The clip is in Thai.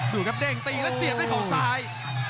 ดูครับเด้งตีแล้วเสียบด้วยเขาซ้าย